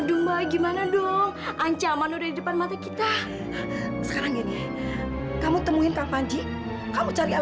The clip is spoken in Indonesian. sampai jumpa di video selanjutnya